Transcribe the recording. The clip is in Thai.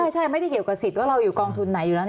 ใช่ไม่ได้เกี่ยวกับสิทธิ์ว่าเราอยู่กองทุนไหนอยู่แล้ว